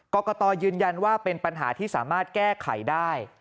กรกตยืนยันว่าเป็นปัญหาที่สามารถแก้ไขได้